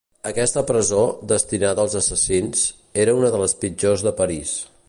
Aquesta presó, destinada als assassins, era una de les pitjors de París.